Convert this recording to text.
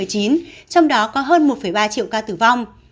trong đó có hơn một ba triệu ca tử vong